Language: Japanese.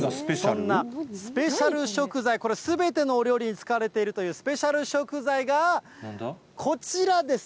そんなスペシャル食材、これ、すべてのお料理に使われているというスペシャル食材が、こちらです。